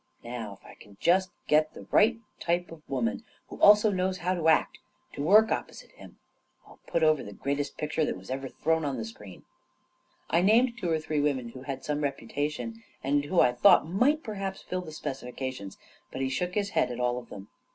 Now, if I can get just the right type of woman, who also knows how to act, to work opposite him, I'll put over the greatest picture that was ever thrown on the screen." ' el named two or three women who had some repu tation and who I thought might perhaps fill the specifications; But he shook his head at all of them.